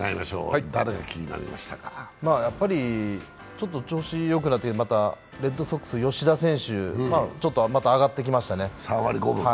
ちょっと調子がよくなってきた、レッドソックスの吉田選手、また上がってきましたね。